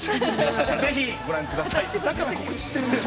ぜひご覧ください。